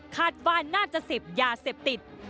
คาดว่าน่าจะเสพยาเสพติด